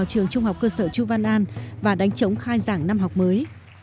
trường trung học cơ sở chu văn an và đánh chống khai giảng năm học mới